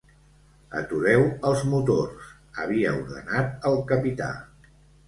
Atureu els motors, havia ordenat el capità.